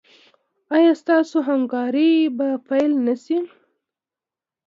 ایا ستاسو همکاري به پیل نه شي؟